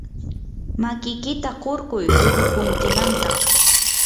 makikita qurquy ruqukuntimantaq.